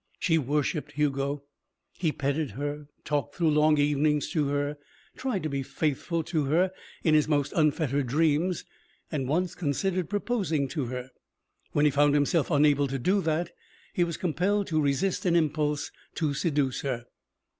She worshipped Hugo. He petted her, talked through long evenings to her, tried to be faithful to her in his most unfettered dreams, and once considered proposing to her. When he found himself unable to do that, he was compelled to resist an impulse to seduce her.